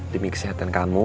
demi kesehatan kamu